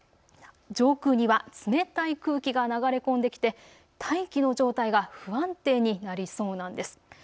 上空には冷たい空気が流れ込んできて大気の状態が不安定になりそうなんです。